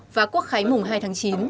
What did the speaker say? và quốc khái mùng hai tháng chín